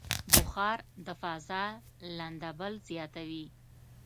بخار د فضا لندبل زیاتوي.